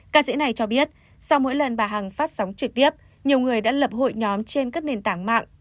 ca sĩ này cho biết sau mỗi lần bà hằng phát sóng trực tiếp nhiều người đã lập hội nhóm trên các nền tảng mạng